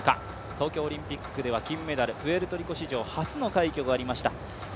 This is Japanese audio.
東京オリンピックでは金メダル、プエルトリコ史上初の快挙がありました。